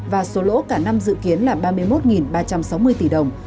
và số lỗ cả năm dự kiến là ba mươi một ba trăm sáu mươi tỷ đồng